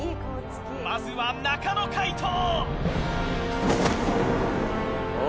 まずは中野魁斗！